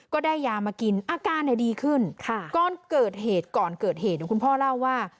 ก็ได้ยามากินอาการดีขึ้นก่อนเกิดเหตุก่อนเกิดเหตุคุณพ่อเล่าว่า